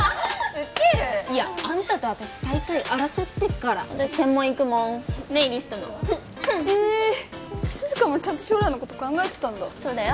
ウケるいやあんたと私最下位争ってっから私専門行くもんネイリストのえ静香もちゃんと将来のこと考えてたんだそうだよ